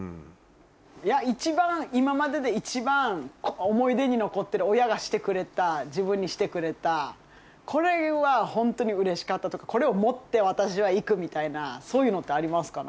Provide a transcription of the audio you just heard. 一番今までで一番思い出に残ってる親がしてくれた自分にしてくれたこれはホントにうれしかったとかこれを持って私は行くみたいなそういうのってありますか？